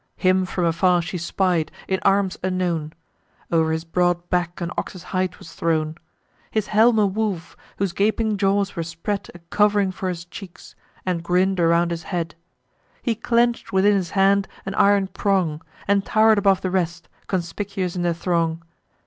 Him from afar she spied, in arms unknown: O'er his broad back an ox's hide was thrown; His helm a wolf, whose gaping jaws were spread A cov'ring for his cheeks, and grinn'd around his head, He clench'd within his hand an iron prong, And tower'd above the rest, conspicuous in the throng.